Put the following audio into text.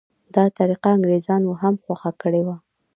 دا طریقه انګریزانو هم خوښه کړې وه.